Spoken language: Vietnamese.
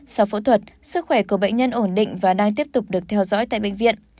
sau phẫu thuật sức khỏe của bệnh nhân ổn định và đang tiếp tục được theo dõi tại bệnh viện